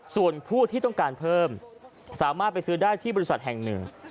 ส่วนผู้ที่ต้องการเพิ่มสามารถไปซื้อได้ที่บริษัทแห่งหนึ่ง